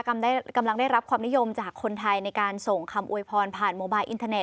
กำลังได้รับความนิยมจากคนไทยในการส่งคำอวยพรผ่านโมบายอินเทอร์เซ